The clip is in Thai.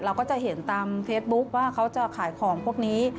เราก็จะเห็นตามเฟซบุ๊คว่าเขาจะขายของพวกนี้